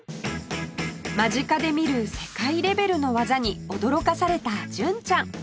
間近で見る世界レベルの技に驚かされた純ちゃん